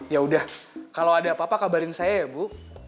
yaudah kalau ada apa apa kabarin saya ya bu